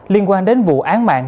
liên quan đến vụ án mạng